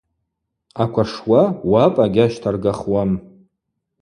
Аквашуа уапӏа гьащтаргахуам.